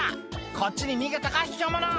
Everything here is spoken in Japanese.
こっちに逃げたかひきょう者！」